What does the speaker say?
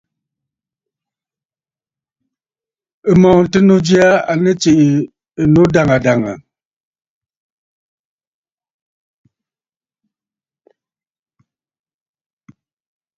M̀mɔ̀ɔ̀ŋtənnǔ jyaa à nɨ tsiʼǐ ɨnnǔ dàŋə̀ dàŋə̀.